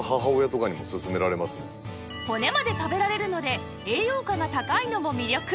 骨まで食べられるので栄養価が高いのも魅力